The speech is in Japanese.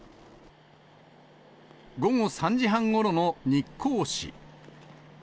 午後３時半ごろの日光市。